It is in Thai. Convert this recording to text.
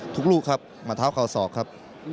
ทุกลูกครับหมะเท้าเขาสอกครับ